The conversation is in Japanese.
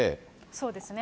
そうですね。